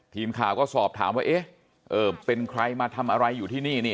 ทีมข่าวก็สอบถามว่าเอ๊ะเป็นใครมาทำอะไรอยู่ที่นี่นี่